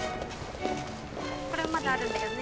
これもまだあるんだよね